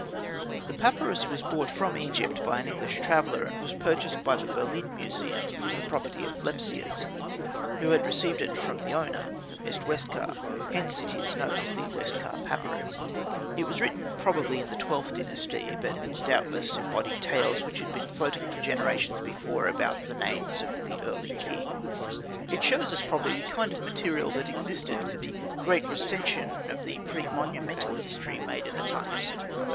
The papyrus was brought from Egypt by an English traveller, and was purchased by the Berlin Museum from the property of Lepsius, who had received it from the owner, Miss Westcar: hence it is known as the Westcar papyrus. It was written probably in the XIIth Dynasty, but doubtless embodied tales, which had been floating for generations before, about the names of the early kings. It shows us probably the kind of material that existed for the great recension of the pre monu mental history, made in the time of Seti I.